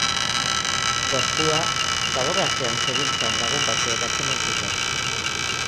Gorpua, zabor artean zebiltzan lagun batzuek atzeman zuten.